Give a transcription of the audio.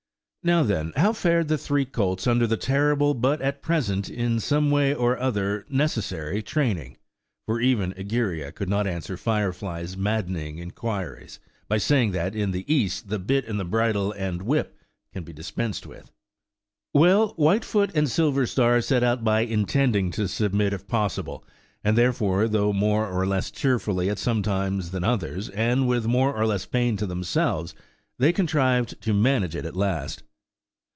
Now, then, how fared the three colts under the terrible but, at present, in some way or other, necessary training? (For even Egeria could not answer Firefly's maddened inquiries, by saying that in the East the bit and bridle and whip can be dispensed with.) Well, Whitefoot and Silverstar set out by intending to submit if possible, and therefore, though more or less cheerfully at some times than others, and with more or less pain to themselves, they contrived to manage it at last.